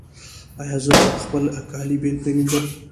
ایا زه باید خپل کالي بیل پریمنځم؟